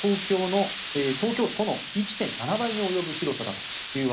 これは東京都の１．７倍に及ぶ広さだと。